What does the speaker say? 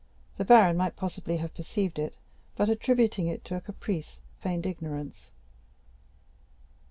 The baron might possibly have perceived it, but, attributing it to a caprice, feigned ignorance.